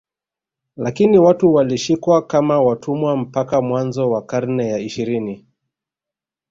Lakini watu walishikwa kama watumwa mpaka mwanzo wa karne ya ishirini